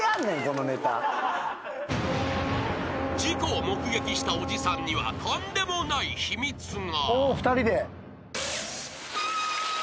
［事故を目撃したおじさんにはとんでもない秘密が］